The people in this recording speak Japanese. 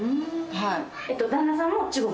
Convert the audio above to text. はい。